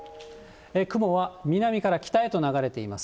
雲は南から北へと流れています。